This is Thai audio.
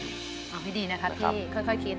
เอาให้ดีนะครับพี่ค่อยคิด